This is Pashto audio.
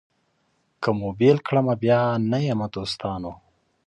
که مو بېل کړمه بیا نه یمه دوستانو